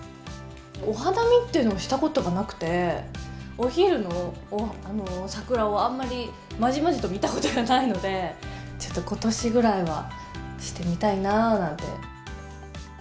お花見っていうのをしたことがなくて、お昼の桜をあんまりまじまじと見たことがないので、ちょっとことしぐらいはしてみたいなぁなんて。